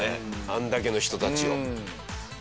あれだけの人たちを。